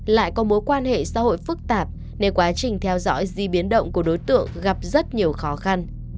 lại có mối quan hệ xã hội phức tạp nên quá trình theo dõi di biến động của đối tượng gặp rất nhiều khó khăn